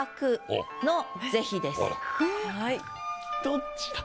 どっちだ？